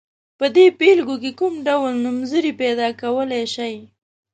په دغو بېلګو کې کوم ډول نومځري پیداکولای شئ.